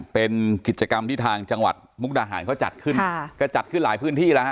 เป็นกิจกรรมที่ทางจังหวัดมุกดาหารเขาจัดขึ้นค่ะก็จัดขึ้นหลายพื้นที่แล้วฮ